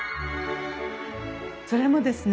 それもですね